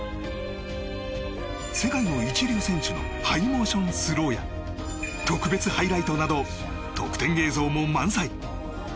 世界の一流選手のハイモーションスローや特別ハイライトなど特典映像も満載。